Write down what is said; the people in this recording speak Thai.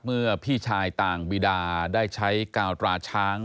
พี่ชายต่างบีดาได้ใช้กาวตราช้าง